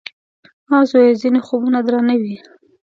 _اه ! زويه! ځينې خوبونه درانه وي.